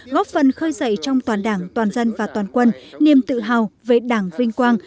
góp phần khơi dậy trong toàn đảng toàn dân và toàn quân niềm tự hào về đảng vinh quang